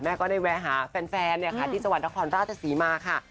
แม่ก็ได้แวะหาแฟนเนี่ยค่ะที่จังหวัดละครราชศรีมาค่ะ